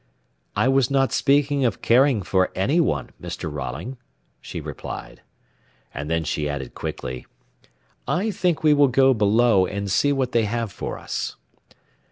"I was not speaking of caring for any one, Mr. Rolling," she replied. And then she added quickly, "I think we will go below and see what they have for us."